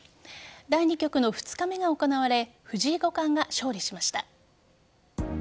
第２局の２日目が行われ藤井五冠が勝利しました。